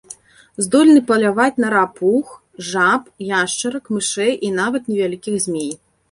Здольны паляваць на рапух, жаб, яшчарак, мышэй і нават невялікіх змей.